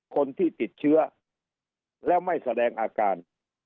คนที่ติดเชื้อแล้วไม่แสดงอาการ